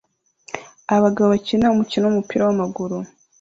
Abagabo bakina umukino wumupira wamaguru